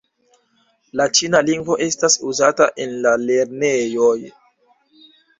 La ĉina lingvo estas uzata en la lernejoj.